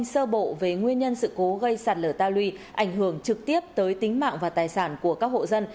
sơ bộ về nguyên nhân sự cố gây sạt lở ta luy ảnh hưởng trực tiếp tới tính mạng và tài sản của các hộ dân